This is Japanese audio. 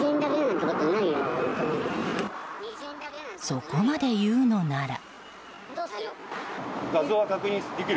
そこまで言うのなら。